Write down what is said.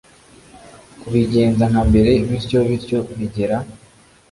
kubigenza nka mbere bityo bityo bigera